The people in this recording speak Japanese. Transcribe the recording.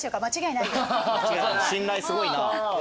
信頼すごいな。